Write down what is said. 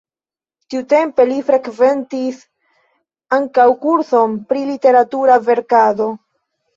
Tiutempe li frekventis ankaŭ kurson pri literatura verkado.